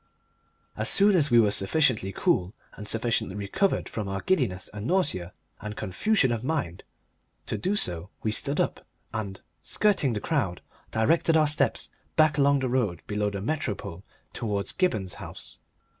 As soon as we were sufficiently cool and sufficiently recovered from our giddiness and nausea and confusion of mind to do so we stood up and, skirting the crowd, directed our steps back along the road below the Metropole towards Gibberne's house.